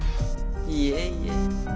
いえいえ。